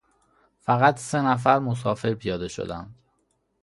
فقط سه نفر مسافر پیاده شدند.